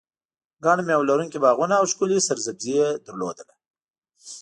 ګڼ مېوه لرونکي باغونه او ښکلې سرسبزي یې لرله.